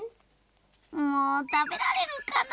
もうたべられるかな？